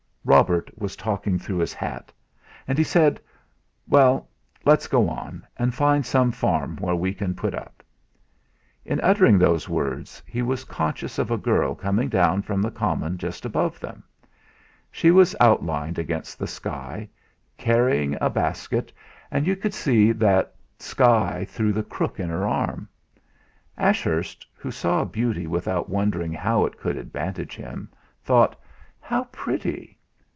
Robert was talking through his hat! And he said: "Well, let's go on, and find some farm where we can put up." In uttering those words, he was conscious of a girl coming down from the common just above them. She was outlined against the sky, carrying a basket, and you could see that sky through the crook of her arm. And Ashurst, who saw beauty without wondering how it could advantage him, thought: 'How pretty!'